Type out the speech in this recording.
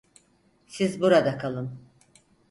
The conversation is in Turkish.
Siz burada kalın.